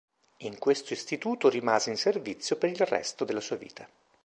In questo istituto rimase in servizio per il resto della sua vita.